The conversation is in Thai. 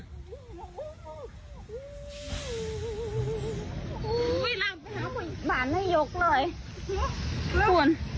ขึ้นไหนขั้นหน่อย